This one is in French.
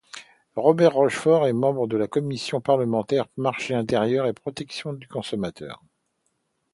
Robert Rochefort est membre de la commission parlementaire Marché intérieur et protection du consommateur.